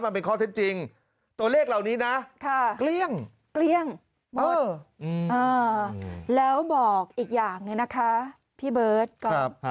มันเป็นข้อเท็จจริงตัวเลขเหล่านี้นะเกลี้ยงเกลี้ยงหมดแล้วบอกอีกอย่างหนึ่งนะคะพี่เบิร์ตก๊อฟ